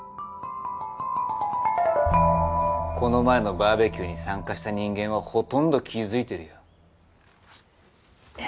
この前のバーベキューに参加した人間はほとんど気付いてるよ。